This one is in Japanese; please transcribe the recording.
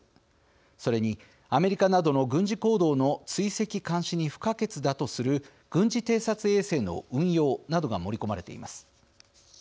それに、アメリカなどの軍事行動の追跡・監視に不可欠だとする軍事偵察衛星の運用などが盛り込まれています。